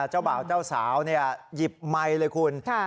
เจ้าหล่าเจ้าสาวเนี่ยยิบไมค์เลยคุณค่ะ